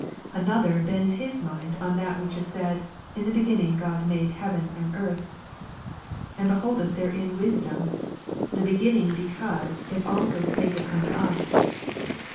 39. Another bends his mind on that which is said. In the Beginning God made heaven and earth ; and beholdeth therein Wisdom, the Beginning because ^ It also speaketh John 8, unto us.